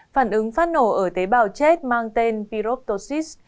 phản ứng phát nổ ở tế bào chết mang tên pyroptosis